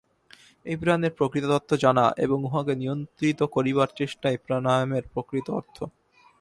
এই প্রাণের প্রকৃত তত্ত্ব জানা এবং উহাকে নিয়ন্ত্রিত করিবার চেষ্টাই প্রাণায়ামের প্রকৃত অর্থ।